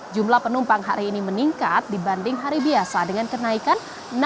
jumlah penumpang hari ini meningkat dibanding hari biasa dengan kenaikan